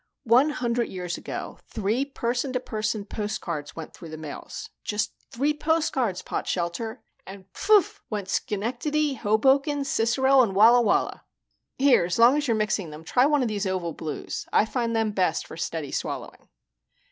One hundred years ago, three person to person postcards went through the mails just three postcards, Potshelter! and pft went Schenectady, Hoboken, Cicero, and Walla Walla. Here, as long as you're mixing them, try one of these oval blues I find them best for steady swallowing."